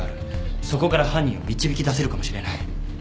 そこから犯人を導きだせるかもしれない。